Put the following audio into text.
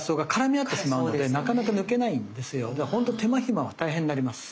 ほんと手間暇は大変になります。